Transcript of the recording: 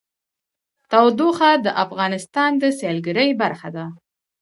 تودوخه د افغانستان د سیلګرۍ برخه ده.